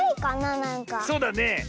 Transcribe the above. そうだね。